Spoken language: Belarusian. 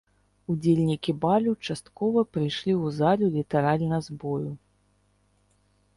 Удзельнікі балю часткова прыйшлі ў залю літаральна з бою!